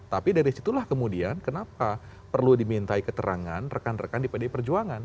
tapi dari situlah kemudian kenapa perlu dimintai keterangan rekan rekan di pdi perjuangan